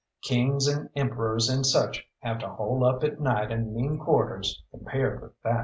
Kings and emperors and such have to hole up at night in mean quarters compared with that.